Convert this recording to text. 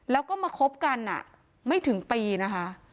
แล้วก็มาคบกันไม่ถึงปีนะคะ